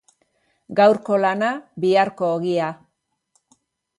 Gaurko lana, biharko ogia.